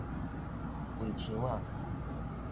圍牆仔